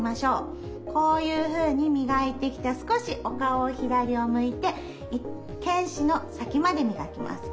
こういうふうにみがいてきたら少しお顔を左を向いて犬歯の先までみがきます。